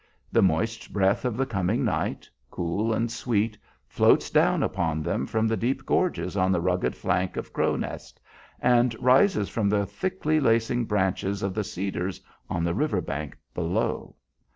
The moist breath of the coming night, cool and sweet, floats down upon them from the deep gorges on the rugged flank of Cro' Nest, and rises from the thickly lacing branches of the cedars on the river bank below.